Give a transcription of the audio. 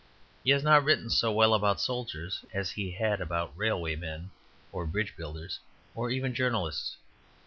He has not written so well about soldiers as he has about railway men or bridge builders, or even journalists.